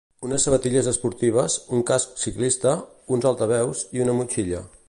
Unes sabatilles esportives, un casc ciclista, uns altaveus i una motxilla.